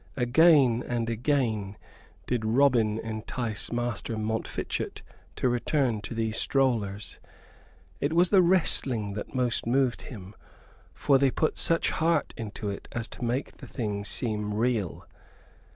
Again and again did Robin entice Master Montfichet to return to these strollers. It was the wrestling that most moved him, for they put such heart into it as to make the thing seem real.